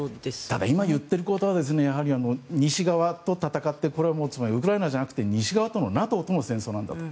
だから今言っていることは西側と戦ってウクライナじゃなくて、西側とのＮＡＴＯとの戦争なんだと。